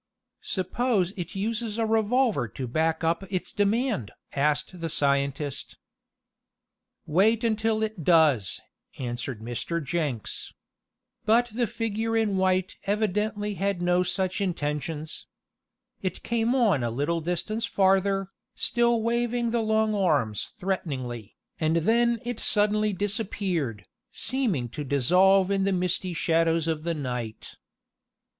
"Suppose it uses a revolver to back up its demand?" asked the scientist. "Wait until it does," answered Mr. Jenks. But the figure in white evidently had no such intentions. It came on a little distance farther, still waving the long arms threateningly, and then it suddenly disappeared, seeming to dissolve in the misty shadows of the night.